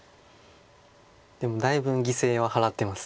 でもだいぶん犠牲は払ってます。